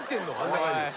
中に。